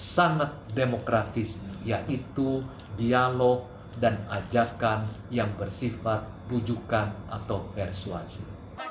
sangat demokratis yaitu dialog dan ajakan yang bersifat rujukan atau persuasi